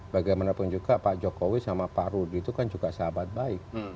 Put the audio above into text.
bagaimanapun juga pak jokowi sama pak rudi itu kan juga sahabat baik